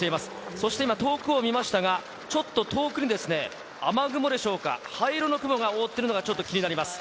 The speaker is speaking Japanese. そして今遠くを見ましたが、ちょっと遠くにですね、雨雲でしょうか、灰色の雲が覆っているのがちょっと気になります。